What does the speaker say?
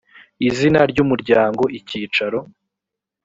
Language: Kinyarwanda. izina ry umuryango icyicaro